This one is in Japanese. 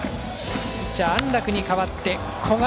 ピッチャー、安樂に代わって古賀